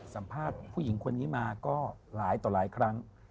สัมภาษณ์ผู้หญิงคนนี้มาก็หลายต่อหลายครั้ง